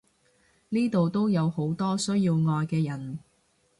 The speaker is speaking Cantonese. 呢度都有好多需要愛嘅人！